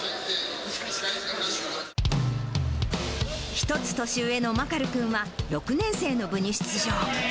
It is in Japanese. １つ年上のマカル君は、６年生の部に出場。